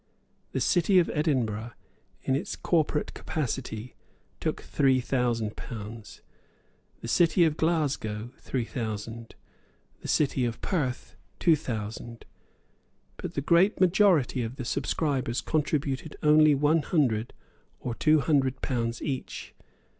The City of Edinburgh, in its corporate capacity, took three thousand pounds, the City of Glasgow three thousand, the City of Perth two thousand. But the great majority of the subscribers contributed only one hundred or two hundred pounds each.